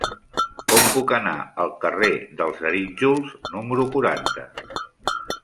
Com puc anar al carrer dels Arítjols número quaranta?